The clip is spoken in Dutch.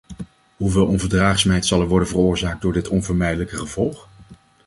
Hoe veel onverdraagzaamheid zal er worden veroorzaakt door dit onvermijdelijke gevolg?